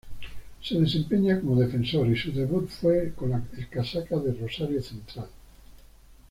Se desempeña como defensor y su debut fue con la casaca de Rosario Central.